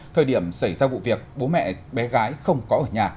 thời điểm xảy ra vụ việc bố mẹ bé gái không có ở nhà